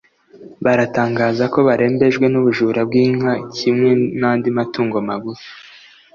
baratangaza ko barembejwe n’ubujura bw’inka kimwe n’andi matungo magufi